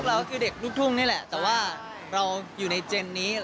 เราก็คือเด็กลูกทุ่งนี่แหละแต่ว่าเราอยู่ในเจนนี้